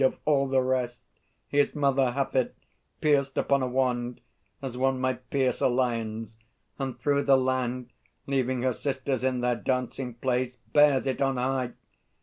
Of all the rest, His mother hath it, pierced upon a wand, As one might pierce a lion's, and through the land, Leaving her sisters in their dancing place, Bears it on high!